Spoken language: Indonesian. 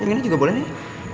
yang ini juga boleh nih